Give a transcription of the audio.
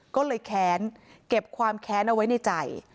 ก็เลยแค้นเก็บความแค้นเอาไว้ในใจ